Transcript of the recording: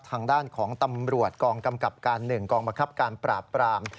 ทางด้านของตำรวจกองกำกับการ๑กองบังคับการปราบปราม